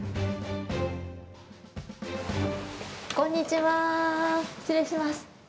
こんにちは、失礼します。